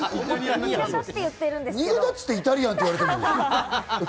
新潟って言ってイタリアンって言われても。